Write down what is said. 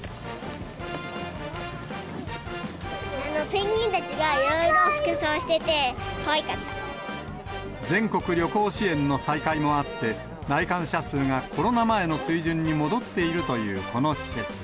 ペンギンたちがいろいろな服全国旅行支援の再開もあって、来館者数がコロナ前の水準に戻っているというこの施設。